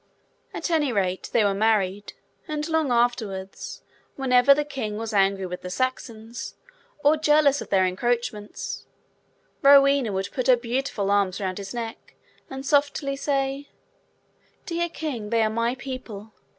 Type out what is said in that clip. At any rate, they were married; and, long afterwards, whenever the King was angry with the Saxons, or jealous of their encroachments, Rowena would put her beautiful arms round his neck, and softly say, 'Dear King, they are my people!